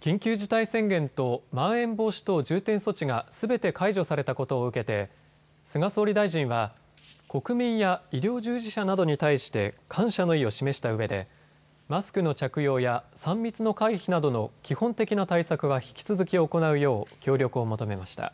緊急事態宣言とまん延防止等重点措置がすべて解除されたことを受けて菅総理大臣は国民や医療従事者などに対して感謝の意を示したうえでマスクの着用や３密の回避などの基本的な対策は引き続き行うよう協力を求めました。